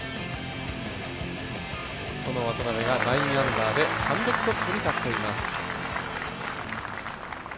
その渡邉が９アンダーで単独トップに立っています。